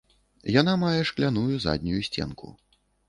Яна мае шкляную заднюю сценку.